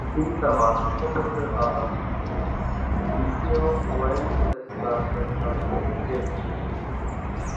তিনি তার মাতৃ সম্পর্কীয় দাদা দ্বিতীয় ওয়েনচেসলাসের কাছ থেকে পেয়েছিলেন।